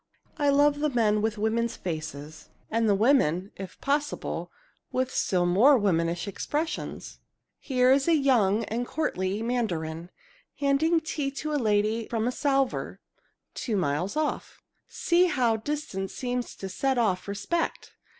I love the men with women's faces and the women, if possible, with still more womanish expressions. "Here is a young and courtly Mandarin, handing tea to a lady from a salver two miles off. See how distance seems to set off respect!